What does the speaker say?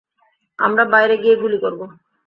আমরা বাইরে গিয়ে গুলি করবো?